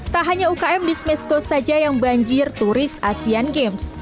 tak hanya ukm di smesco saja yang banjir turis asean games